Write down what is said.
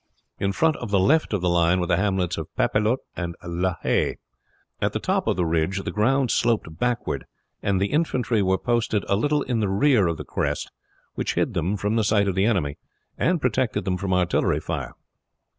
In front of the left of the line were the hamlets of Papelotte and La Haye. At the top of the ridge the ground sloped backward, and the infantry were posted a little in rear of the crest, which hid them from the sight of the enemy, and protected them from artillery fire.